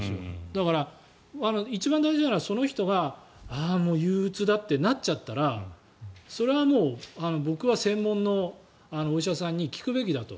だから一番大事なのはその人が憂うつってなっちゃったらそれはもう僕は専門のお医者さんに聞くべきだと。